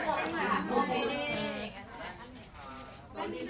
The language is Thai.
ขอสายตาซ้ายสุดด้วยครับ